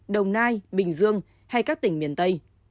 đồng nai bình dương hay các tỉnh miền tây